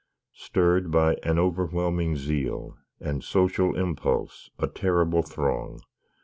Stirr'd by an overwhelming zeal, And social impulse, a terrible throng!